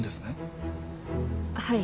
はい。